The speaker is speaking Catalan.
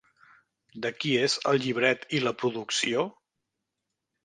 De qui és el llibret i la producció?